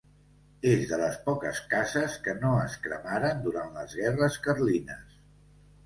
És de les poques cases que no es cremaren durant les guerres carlines.